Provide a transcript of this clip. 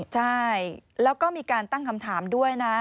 ใช่แล้วก็มีการตั้งคำถามด้วยนะ